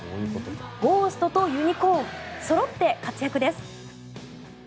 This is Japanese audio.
ゴーストとユニコーンそろって活躍です。